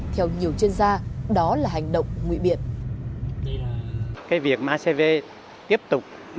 theo nhiều chuyên gia đó là hành động ngụy biệt